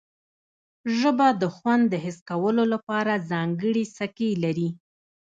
ژبه د خوند د حس کولو لپاره ځانګړي څکي لري